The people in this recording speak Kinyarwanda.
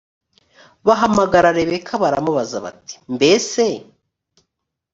bahamagara rebeka baramubaza bati mbese